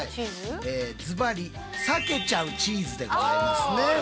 ずばりさけちゃうチーズでございますね。